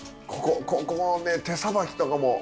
こここのね手さばきとかも。